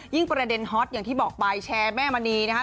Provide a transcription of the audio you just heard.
ยิ่งประเด็นฮอตอย่างที่บอกใบแชร์แม่มณีเนี่ย